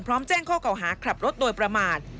พร้อมแจ้งข้อกล่าวหาขับรถโดยประมาท